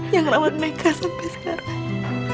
yang nama meka sampai sekarang